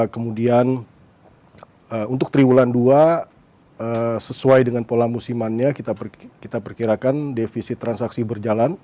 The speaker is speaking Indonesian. kemudian untuk triwulan dua sesuai dengan pola musimannya kita perkirakan defisit transaksi berjalan